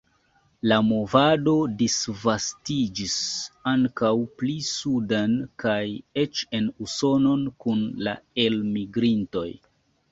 La movado disvastiĝis ankaŭ pli suden kaj eĉ en Usonon kun la elmigrintoj.